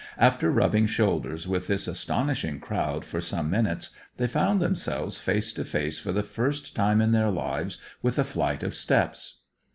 After rubbing shoulders with this astonishing crowd for some minutes, they found themselves face to face for the first time in their lives with a flight of steps.